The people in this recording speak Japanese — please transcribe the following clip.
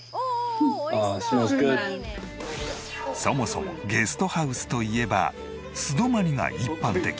そもそもゲストハウスといえば素泊まりが一般的。